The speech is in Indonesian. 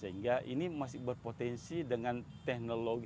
sehingga ini masih berpotensi dengan teknologi